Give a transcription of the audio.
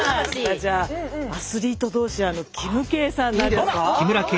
じゃあアスリート同士キムケイさんどうでしょうか？